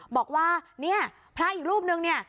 บอกว่าเนี่ยพระอีกรูปนึงเนี่ย